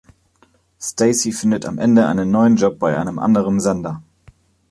Stacy findet am Ende einen neuen Job bei einem anderen Sender.